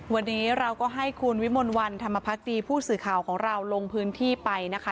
วันนี้เราก็ให้คุณวิมลวันธรรมพักดีผู้สื่อข่าวของเราลงพื้นที่ไปนะคะ